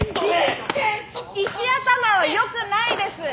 石頭は良くないです。